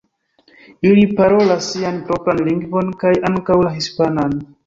Ili parolas sian propran lingvon kaj ankaŭ la hispanan.